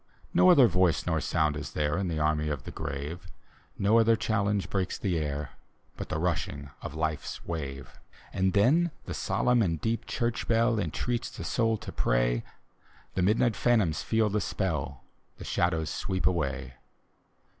No other voice nor sound is there,. In the army of the grave; No other challenge breaks the air, But the rushing of Life's wave. And then the solemn and deep church bell Entreats the soul to pray, The midni^t phantoms feel the spell. The shadows sweep away.